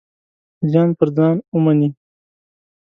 زیان پر ځان ومني.